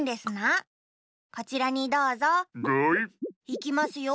いきますよ。